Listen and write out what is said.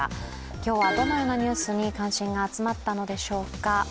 今日はどのようなニュースに関心が集まったのでしょうか。